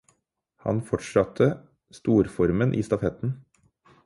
Han fortsette storformen i stafetten.